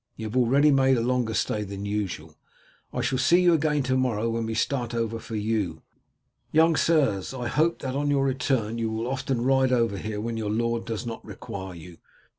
You have already made a longer stay than usual. I shall see you again to morrow when we start for Eu. Young sirs, I hope that on your return you will often ride over here when your lord does not require you.